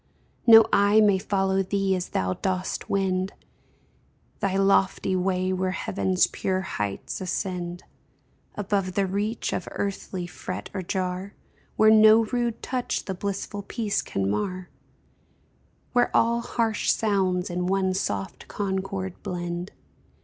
No eye may follow thee as thou dost wend Thy lofty way where heaven's pure heights ascend Above the reach of earthly fret or jar, Where no rude touch the blissful peace can mar, Where all harsh sounds in one soft concord blend.